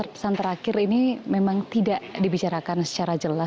pesan terakhir ini memang tidak dibicarakan secara jelas